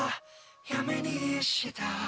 「やめにした」